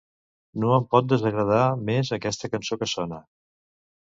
No em pot desagradar més aquesta cançó que sona.